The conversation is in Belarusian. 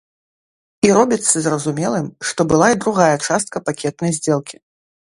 І робіцца зразумелым, што была і другая частка пакетнай здзелкі.